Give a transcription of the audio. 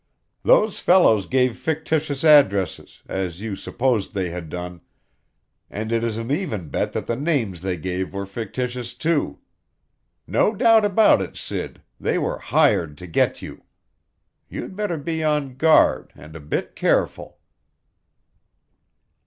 "Those fellows gave fictitious addresses, as you supposed they had done, and it is an even bet that the names they gave were fictitious, too. No doubt about it, Sid they were hired to get you. You'd better be on guard and a bit careful."